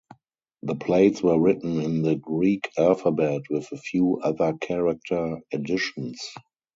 The plates were written in the Greek alphabet with a few other character additions.